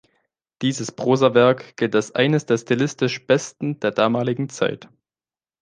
Dieses Prosawerk gilt als eines der stilistisch besten der damaligen Zeit.